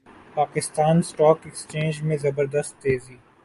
Pakistan stock exchange میں زبردست تیزی